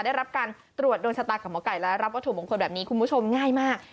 ได้รับการตรวจโดนชะตากับหมอไก่และรับวัตถุมงคลแบบนี้คุณผู้ชมง่ายมาก